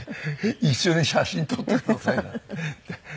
一緒に写真撮ってくださいなんて。